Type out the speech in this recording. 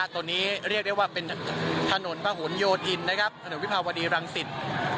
ตอนนี้เรียกได้ว่าเป็นถนนพะหนโยธินถนนวิภาวดีรังสิต